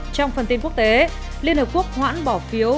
trong phần tin quốc tế liên hợp quốc hoãn bỏ phiếu